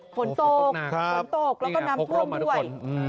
ฝนตกฝนตกแล้วก็น้ำท่วมด้วย